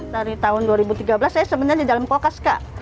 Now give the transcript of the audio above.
dari tahun dua ribu tiga belas saya sebenarnya di dalam kulkas kak